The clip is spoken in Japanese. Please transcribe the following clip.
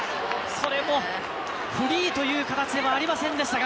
これも、フリーという形ではありませんでしたが。